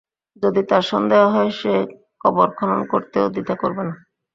যদি তার সন্দেহ হয়, সে কবর খনন করতেও দ্বিধা করবে না।